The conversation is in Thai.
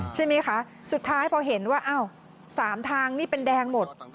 ใช่ไหมคะสุดท้ายพอเห็นว่าอ้าว๓ทางนี่เป็นแดงหมด